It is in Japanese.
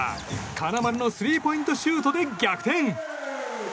金丸のスリーポイントシュートで逆転。